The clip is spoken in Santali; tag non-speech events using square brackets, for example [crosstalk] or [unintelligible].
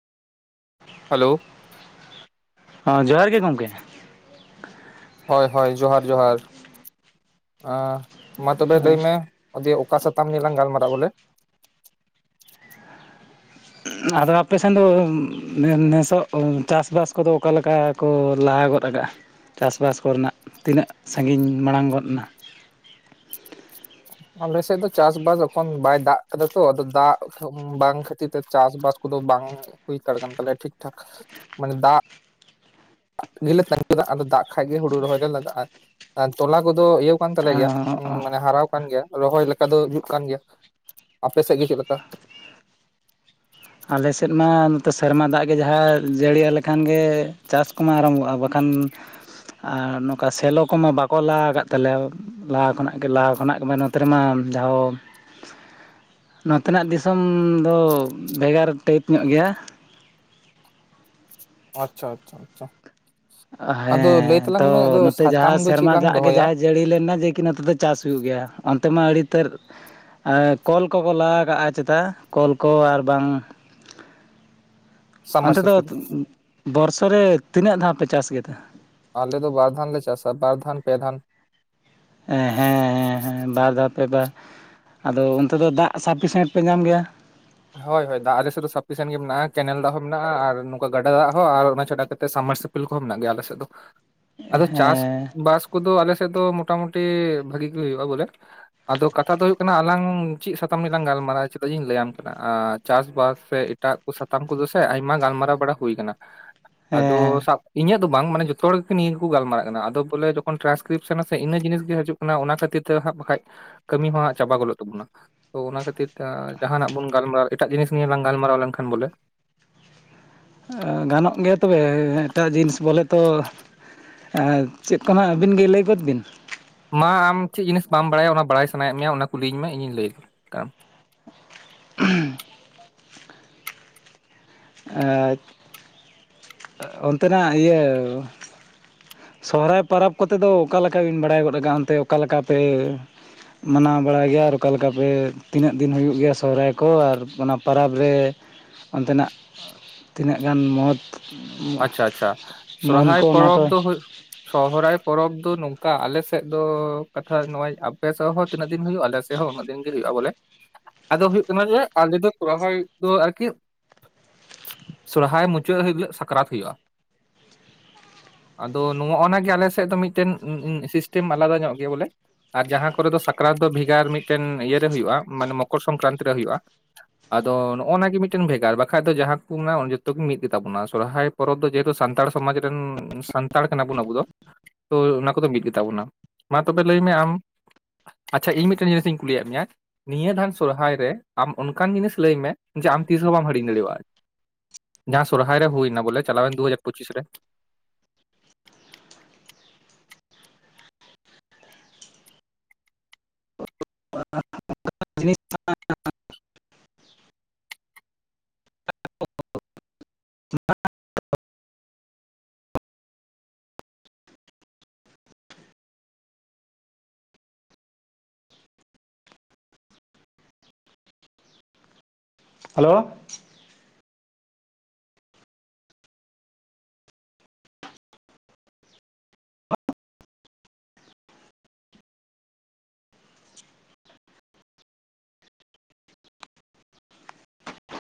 [inaudible] ᱦᱮᱞᱳ᱾ ᱚᱸ ᱡᱚᱦᱟᱨ ᱜᱮ ᱜᱚᱢᱠᱮ᱾ ᱦᱳᱭ ᱦᱳᱭ ᱡᱚᱦᱟᱨ ᱡᱚᱦᱟᱨ ᱟ ᱢᱟ ᱛᱚᱵᱮ ᱞᱟᱹᱭ ᱢᱮ᱾ ᱫᱤᱭᱮ ᱚᱠᱟ ᱥᱟᱛᱟᱢ ᱱᱤᱭᱮ ᱞᱟᱝ ᱜᱟᱞᱢᱟᱨᱟᱜᱼᱟ ᱵᱚᱞᱮ᱾ ᱟᱫᱚ ᱟᱯᱮᱥᱮᱱ ᱫᱚ ᱱᱮ ᱱᱮᱥᱚᱜ ᱪᱟᱥᱵᱟᱥ ᱠᱚᱫᱚ ᱚᱠᱟᱞᱮᱠᱟ᱾ ᱠᱚ ᱞᱟᱦᱟ ᱜᱚᱫ ᱟᱠᱟᱜᱼᱟ ᱪᱟᱥᱵᱟᱥ ᱠᱚᱨᱮᱱᱟᱜ ᱛᱤᱱᱟᱹᱜ ᱥᱟᱺᱜᱤᱧ ᱢᱟᱲᱟᱝ ᱜᱚᱫ ᱱᱟ᱾ ᱟᱞᱮᱥᱮᱫ ᱫᱚ ᱪᱟᱥᱵᱟᱥ ᱮᱠᱷᱚᱱ ᱵᱟᱭ ᱫᱟᱜ ᱠᱟᱫᱟ ᱛᱚ ᱟᱫᱚ ᱫᱟᱜ ᱵᱟᱝ ᱠᱷᱟᱹᱛᱤᱨ ᱛᱮ ᱪᱟᱥᱵᱟᱥ᱾ ᱠᱚᱫᱚ ᱵᱟᱝ ᱦᱩᱭᱛᱟᱲ ᱠᱟᱱ ᱛᱟᱞᱮᱭᱟ ᱴᱷᱤᱠ ᱴᱷᱟᱠ ᱢᱟᱱᱮ ᱫᱟᱜ᱾ ᱜᱮᱞᱮ ᱛᱟᱸᱜ [unintelligible] ᱟᱫᱚ ᱫᱟᱜ ᱠᱷᱟᱸᱡ ᱜᱮ ᱦᱩᱲᱩ ᱨᱚᱦᱚᱭ ᱞᱮ ᱞᱟᱜᱟᱜᱼᱟ᱾ ᱟᱨ ᱛᱚᱞᱟ ᱠᱚᱫᱚ ᱮᱦᱚᱵ ᱠᱟᱱ ᱛᱟᱞᱮ ᱜᱮᱭᱟ ᱢᱟᱱᱮ ᱦᱟᱨᱟ᱾ ᱠᱟᱱ ᱜᱮᱭᱟ ᱨᱚᱦᱚᱭ ᱞᱮᱠᱟ ᱫᱚ ᱡᱩᱫ ᱠᱟᱱ ᱜᱮᱭᱟ ᱟᱯᱮ ᱥᱮᱫ ᱜᱮ ᱪᱮᱫ ᱞᱮᱠᱟ᱾ ᱟᱞᱮ ᱥᱮᱫ ᱢᱟ ᱱᱚᱛᱮ ᱥᱮᱨᱢᱟ ᱫᱟᱜ ᱜᱮ ᱡᱟᱦᱟᱸ ᱡᱟᱹᱲᱤᱭᱟ ᱞᱮᱠᱷᱟᱱ ᱜᱮ ᱪᱟᱥ ᱠᱚᱢᱟ ᱟᱨᱚᱢᱵᱷᱚᱜᱼᱟ ᱵᱟᱠᱷᱟᱱ᱾ ᱟᱨ ᱱᱚᱝᱠᱟ ᱥᱮᱞᱚ ᱠᱚᱢᱟ ᱵᱟᱠᱚ ᱞᱟ ᱟᱠᱟᱫ ᱛᱟᱞᱮᱭᱟ᱾ ᱞᱟᱦᱟ ᱠᱷᱚᱱᱟᱜ ᱜᱮ ᱞᱟᱦᱟ ᱠᱷᱚᱱᱟᱜ ᱜᱮ ᱱᱚᱛᱮ ᱨᱮᱢᱟ ᱡᱟᱦᱚᱸ᱾ ᱱᱚᱛᱮᱱᱟᱜ ᱫᱤᱥᱚᱢ ᱫᱚ ᱵᱷᱮᱜᱟᱨ ᱴᱟᱭᱤᱯ ᱧᱚᱜ ᱜᱮᱭᱟ᱾ ᱟᱪᱪᱷᱟ ᱟᱪᱪᱷᱟ ᱟᱪᱪᱷᱟ᱾ ᱟᱫᱚ ᱞᱟᱹᱭ ᱦᱮᱸ ᱛᱟᱞᱟᱝ ᱛᱚ ᱢᱮ ᱟᱫᱚ ᱱᱚᱛᱮ ᱥᱟᱛᱟᱢ ᱡᱟᱦᱟᱸ ᱫᱚ ᱪᱮᱫ ᱥᱮᱨᱢᱟ ᱞᱟᱝ ᱫᱟᱜ ᱜᱮ ᱫᱚᱦᱚᱭᱟ ᱡᱟᱦᱟᱸ᱾ ᱡᱟᱹᱲᱤ ᱞᱮᱱᱱᱟ ᱡᱮ ᱠᱤ ᱱᱚᱛᱮ ᱫᱚ ᱪᱟᱥ ᱦᱩᱭᱩᱜ ᱜᱮᱭᱟ ᱚᱱᱛᱮ ᱢᱟ ᱟᱹᱲᱤᱛᱟᱹᱨ᱾ ᱟᱨ ᱠᱚᱞ ᱠᱚᱠᱚ ᱞᱟ ᱠᱟᱜᱼᱟ ᱪᱮᱛᱟ ᱠᱚᱞ ᱠᱚ ᱟᱨᱵᱟᱝ᱾ ᱚᱱᱛᱮ ᱫᱚ ᱥᱟᱵᱢᱟᱨᱥᱤᱵᱮᱞ ᱵᱚᱨᱥᱚ ᱨᱮ ᱛᱤᱱᱟᱹᱜ ᱫᱷᱟᱣ ᱯᱮ ᱪᱟᱥ ᱜᱮ ᱠᱮᱫᱟ ᱟᱞᱮ ᱫᱚ ᱵᱟᱨ ᱫᱷᱟᱱ ᱞᱮ ᱪᱟᱥᱟ ᱵᱟᱨᱫᱷᱟᱱ ᱯᱮ ᱫᱷᱟᱱ᱾ ᱦᱮᱸ ᱦᱮᱸ ᱵᱟᱨ ᱫᱷᱟᱣ ᱯᱮ ᱵᱟᱨ ᱟᱫᱚ ᱚᱱᱛᱮ ᱫᱚ ᱫᱟᱜ ᱥᱟᱯᱷᱤᱥᱮᱱᱴ ᱯᱮ ᱧᱟᱢ ᱜᱮᱭᱟ᱾ ᱦᱳᱭ ᱦᱳᱭ ᱫᱟᱜ ᱟᱞᱮᱥᱮᱫ ᱫᱚ ᱥᱟᱯᱷᱤᱥᱮᱱ ᱜᱮ ᱢᱮᱱᱟᱜᱼᱟ ᱠᱮᱱᱮᱞ ᱫᱟᱜ ᱦᱚᱸ ᱢᱮᱱᱟᱜᱼᱟ ᱟᱨ ᱱᱚᱝᱠᱟ ᱜᱟᱰᱟ ᱫᱟᱜ ᱦᱚᱸ ᱟᱨ ᱚᱱᱟ ᱪᱷᱟᱰᱟ ᱠᱟᱛᱮ ᱥᱟᱢᱢᱟᱨᱥᱮᱞ᱾ ᱤᱞ [unintelligible] ᱠᱚᱦᱚᱸ ᱢᱮᱱᱟᱜ ᱜᱮᱭᱟ ᱟᱞ ᱥᱮᱫ ᱫᱚ ᱟᱫᱚ ᱪᱟᱥ ᱦᱮᱸ ᱵᱟᱟᱥ᱾ ᱠᱚᱫᱚ ᱟᱞᱮᱥᱮᱫ ᱫᱚ ᱢᱚᱴᱟᱢᱩᱴᱤ ᱵᱷᱟᱜᱤ ᱜᱮ ᱦᱩᱭᱩᱜᱼᱟ ᱵᱚᱞᱮ᱾ ᱟᱫᱚ ᱠᱟᱛᱷᱟ ᱫᱚ ᱦᱩᱭᱩᱜ ᱠᱟᱱᱟ ᱟᱞᱟᱝ ᱪᱮᱫ ᱥᱟᱛᱟᱢ ᱨᱮ ᱜᱟᱞᱢᱟᱨᱟᱼᱟ ᱪᱮᱫᱟᱜ ᱤᱧ ᱞᱟᱹᱭᱟᱢ᱾ ᱪᱟᱥᱵᱟᱥ ᱥᱮ ᱮᱴᱟᱜ ᱠᱚ ᱥᱟᱛᱟᱢ ᱠᱚᱫᱚ ᱥᱮ ᱟᱭᱢᱟ ᱜᱟᱞᱢᱟᱨᱟᱣ ᱵᱟᱲᱟ ᱦᱩᱭ ᱟᱠᱟᱱᱟ᱾ ᱟᱫᱚ ᱦᱮᱸ ᱥᱟᱵ ᱤᱧᱟᱹᱜ᱾ ᱵᱟᱝ ᱢᱟᱱᱮ ᱡᱚᱛᱚ ᱦᱚᱲ ᱜᱮ ᱱᱤᱭᱟᱹ ᱜᱮᱠᱚ ᱜᱟᱞᱢᱟᱨᱟᱜ ᱠᱟᱱᱟ ᱟᱫᱚ ᱵᱚᱞᱮ ᱡᱚᱠᱦᱚᱱ ᱴᱨᱥᱠᱨᱤᱯᱥᱚᱱᱟ ᱥᱮ ᱤᱱᱟᱹ ᱡᱤᱱᱤᱥ ᱜᱮ ᱦᱤᱡᱩᱜ ᱚᱱᱟ ᱚᱱᱟ ᱠᱷᱟᱹᱛᱤᱨ ᱛᱮ ᱦᱟᱸᱜ ᱵᱟᱠᱷᱟᱡ ᱠᱟᱹᱢᱤ ᱦᱚᱸ ᱦᱟᱸᱜ ᱪᱟᱵᱟ ᱜᱚᱫᱚᱜ ᱛᱟᱵᱚᱱᱟ ᱛᱚ ᱚᱱᱟ ᱠᱷᱟᱹᱛᱤᱨ᱾ [unintelligible] ᱡᱟᱦᱱᱟᱜ ᱵᱚᱱ ᱜᱟᱞᱢᱟᱨᱟᱣ ᱮᱴᱟᱜ ᱡᱤᱱᱤᱥ ᱱᱤᱭᱮ ᱞᱟᱝ ᱜᱟᱞᱢᱟᱨᱟᱣ ᱞᱮᱱᱠᱷᱟᱱ ᱵᱚᱞᱮ᱾ ᱜᱟᱱᱚᱜ ᱜᱮᱭᱟ ᱛᱚᱵᱮ ᱮᱴᱟᱜ ᱡᱤᱱᱤᱥ ᱵᱚᱞᱮ ᱛᱚ᱾ ᱪᱮᱫ ᱠᱚ ᱱᱟᱦᱟᱜ ᱟᱹᱵᱤᱱ ᱜᱮ ᱞᱟᱹᱭ ᱜᱚᱫ ᱵᱤᱱ᱾ ᱢᱟ ᱟᱢ ᱪᱮᱫ ᱡᱤᱱᱤᱥ ᱵᱟᱢ ᱵᱟᱲᱟᱭᱟ ᱚᱱᱟ ᱵᱟᱲᱟᱭ ᱥᱟᱱᱟᱭᱮᱫ ᱢᱮᱭᱟ ᱚᱱᱟ ᱠᱩᱞᱤᱧ ᱢᱮ ᱤᱧᱤᱧ ᱞᱟᱹᱭ ᱠᱟᱱ᱾ [unintelligible] ᱮᱡ‌ ᱟ ᱚᱱᱛᱮ ᱱᱟᱜ ᱤᱭᱟᱹᱼᱼ ᱥᱚᱦᱨᱟᱭ ᱯᱟᱨᱟᱵ ᱠᱚᱛᱮ ᱫᱚ ᱚᱠᱟ ᱞᱮᱠᱟ ᱵᱤᱱ ᱵᱟᱲᱟᱭ ᱜᱚᱫ ᱠᱟᱜ-ᱟ ᱚᱱᱛᱮ ᱚᱠᱟ ᱞᱮᱠᱟ ᱯᱮᱼᱼ ᱢᱟᱱᱟᱣ ᱵᱟᱲᱟᱭ ᱜᱮᱭᱟ ᱟᱨ ᱚᱠᱟ ᱞᱮᱠᱟ ᱯᱮ ᱛᱤᱱᱟᱹᱜ ᱫᱤᱱ ᱦᱩᱭᱩᱜ ᱜᱮᱭᱟ ᱥᱚᱦᱨᱟᱭ ᱠᱚ ᱟᱨ ᱚᱱᱟ ᱯᱟᱨᱟᱵᱽ ᱨᱮᱼᱼ ᱚᱱᱛᱮ ᱱᱟᱜᱼᱼ ᱛᱤᱱᱟᱹᱜ ᱜᱟᱱ ᱢᱚᱳᱛ ᱟᱪᱪᱷᱟ ᱟᱪᱪᱷᱟ ᱥᱚᱨᱦᱟᱭ ᱠᱚ ᱚᱱᱟ ᱯᱚᱨᱚᱵᱽ ᱠᱚ ᱫᱚ ᱦᱩᱭᱩᱜᱼᱼ ᱥᱚᱦᱚᱨᱟᱭ ᱯᱚᱨᱚᱵᱽ ᱫᱚ ᱱᱚᱝᱠᱟ ᱟᱞᱮ ᱥᱮᱜ ᱫᱚ ᱠᱟᱛᱷᱟᱭ ᱱᱚᱜ-ᱚᱭ ᱟᱯᱮ ᱥᱮᱜ ᱦᱚᱸᱼᱼ ᱛᱤᱱᱟᱹᱜ ᱫᱤᱱ ᱦᱩᱭᱩᱜ-ᱟ ᱮᱞᱮ ᱥᱮᱜ ᱦᱚᱸ ᱩᱱᱟᱹᱜ ᱫᱤᱱ ᱜᱮ ᱦᱩᱭᱩᱜ-ᱟ ᱵᱚᱞᱮ᱾ ᱟᱫᱚ ᱦᱩᱭᱩᱜ ᱠᱟᱱᱟ ᱡᱮ ᱟᱞᱮ ᱫᱚ ᱥᱚᱦᱨᱟᱭ ᱫᱚ ᱟᱨ ᱠᱤᱜᱼᱼ ᱥᱚᱨᱦᱟᱭ ᱢᱩᱪᱟᱹᱫ ᱦᱤᱞᱟᱹᱜ ᱥᱟᱠᱨᱟᱛ ᱦᱩᱭᱩᱜ-ᱟ᱾ ᱟᱫᱚ ᱱᱚᱜ-ᱚᱱᱟ ᱜᱮ ᱟᱞᱮ ᱥᱮᱜ ᱫᱚ ᱢᱤᱫᱴᱮᱱ ᱩᱸᱻ ᱩᱸ ᱥᱤᱥᱴᱮᱢ ᱟᱞᱟᱫᱟ ᱧᱚᱜ ᱜᱮᱭᱟ ᱵᱚᱞᱮᱼᱼ ᱟᱨ ᱡᱟᱦᱟᱸ ᱠᱚᱨᱮ ᱫᱚ ᱥᱟᱠᱨᱟᱛ ᱫᱚ ᱵᱷᱮᱜᱟᱨ ᱢᱤᱫᱴᱮᱱ ᱤᱭᱟᱹᱨᱮ ᱦᱩᱭᱩᱜᱼᱟ ᱢᱟᱱᱮ ᱢᱚᱠᱚᱨ ᱥᱚᱝᱠᱨᱟᱱᱛᱤ ᱨᱮ ᱦᱩᱭᱩᱜᱼᱟ᱾ ᱟᱫᱚ ᱱᱚᱜᱼᱚ ᱱᱚᱶᱟ ᱜᱮᱤ ᱢᱤᱫᱴᱮᱱ ᱵᱷᱮᱜᱟᱨ ᱵᱟᱠᱷᱟᱡ ᱫᱚ ᱡᱟᱦᱟᱸ ᱠᱚ ᱢᱮᱱᱟᱜᱼᱟ ᱡᱚᱛᱚ ᱜᱮ ᱢᱤᱫ ᱜᱮᱛᱟᱵᱚᱱᱟ᱾ ᱥᱚᱨᱦᱟᱭ ᱯᱚᱨᱚᱵᱽ ᱫᱚ ᱡᱮᱦᱮᱛᱚ ᱥᱟᱱᱛᱟᱲ ᱥᱚᱢᱟᱡ ᱨᱮᱱ ᱥᱟᱱᱛᱟᱲ ᱠᱟᱱᱟ ᱵᱚᱱ ᱟᱵᱚ ᱫᱚ᱾ ᱛᱚ ᱚᱱᱟ ᱠᱚᱫᱚ ᱢᱤᱫ ᱜᱮ ᱛᱟᱵᱚᱱᱟ ᱢᱟ ᱛᱚᱵᱮ ᱞᱟᱹᱭ ᱢᱮ ᱟᱢ ᱟᱪᱪᱷᱟ ᱤᱧ ᱢᱤᱫᱴᱮᱱ ᱡᱤᱱᱤᱥ ᱤᱧ ᱠᱩᱞᱤᱭᱜ ᱢᱮᱭᱟ? ᱱᱤᱭᱟᱹ ᱫᱷᱟᱱ ᱥᱚᱨᱦᱟᱭ ᱨᱮ ᱟᱢ ᱚᱱᱠᱟᱱ ᱡᱤᱱᱤᱥ ᱞᱟᱹᱭ ᱢᱮ ᱡᱮ ᱟᱢ ᱛᱤᱥᱦᱚᱸ ᱵᱟᱢ ᱦᱤᱲᱤᱧ ᱫᱟᱲᱤᱣᱟᱜ-ᱟ? ᱡᱟᱦᱟᱸ ᱥᱩᱨᱦᱟᱭ ᱨᱮ ᱦᱩᱭ ᱱᱟ ᱵᱚᱞᱮ ᱪᱟᱞᱟ ᱣᱮᱱ ᱫᱩ ᱦᱟᱡᱟᱨ ᱯᱩᱪᱤᱥ ᱨᱮᱼᱼ [inaudible] ᱡᱤᱱᱤᱥ ‌ᱴᱟᱸᱜ [inaudible] ᱦᱟᱞᱳ